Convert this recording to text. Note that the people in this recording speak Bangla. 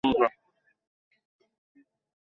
প্লিজ বসুন স্যার।